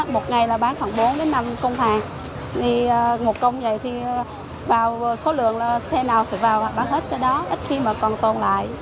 một ngày bán khoảng bốn năm công hàng một công vậy thì vào số lượng xe nào thì vào bán hết xe đó ít khi mà còn tồn lại